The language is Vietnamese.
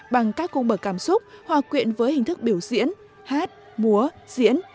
bằng các cung bậc cảm xúc hòa quyện với hình thức biểu diễn hát múa diễn